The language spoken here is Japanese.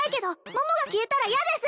桃が消えたら嫌です